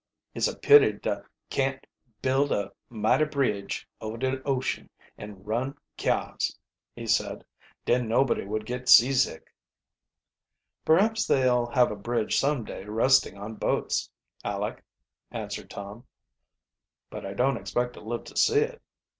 "It's a pity da can't build a mighty bridge over de ocean, an' run kyars," he said. "Den nobody would git seasick." "Perhaps they'll have a bridge some day resting on boats, Aleck," answered Tom. "But I don't expect to live to see it."